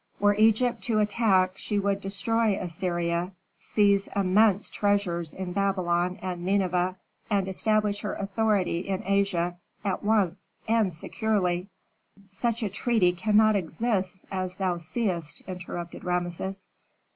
Were Egypt to attack she would destroy Assyria, seize immense treasures in Babylon and Nineveh, and establish her authority in Asia at once and securely " "Such a treaty cannot exist, as thou seest," interrupted Rameses.